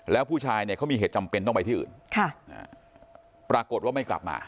แล้วผู้ชายเนี่ยเขามีเหตุจำเป็นต้องไปที่อื่นปรากฏว่าไม่กลับมา